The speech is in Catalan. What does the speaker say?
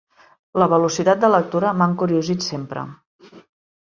La velocitat de lectura m'ha encuriosit sempre.